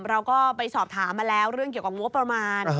เราก็ไปสอบถามมาแล้วเรื่องเกี่ยวกับงบประมาณ